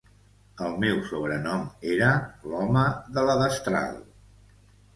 El seu sobrenom era "L'home de la destral".